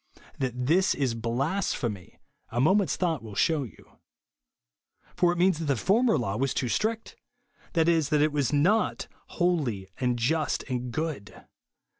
That this is blasphemy, a moment's thought will shew you. For it means that the former law was too strict ; that is, it was not " holy, and just, and good."